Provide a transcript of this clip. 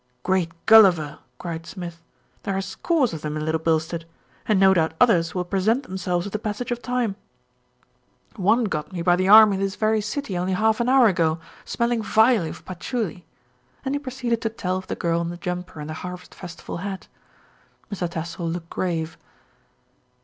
"Great Gulliver!" cried Smith, "there are scores of them in Little Bilstead, and no doubt others will pre sent themselves with the passage of time. One got me MR. TASSELL IS SURPRISED 157 by the arm in this very city only half an hour ago, smelling vilely of patchouli," and he proceeded to tell of the girl in the jumper and the harvest festival hat. Mr. Tassell looked grave.